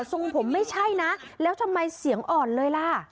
ทรงผมไม่ใช่นะแล้วทำไมเสียงอ่อนเลยล่ะ